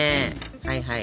はいはい。